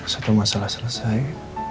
satu masalah selesai